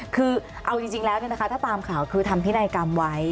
คือเอาจริงแล้วถ้าตามข่าวคือทำพินัยกรรมไว้